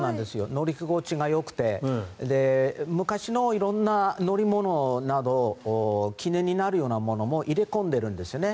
乗り心地がよくて昔の色んな乗り物など記念になるようなものも入れ込んでるんですよね。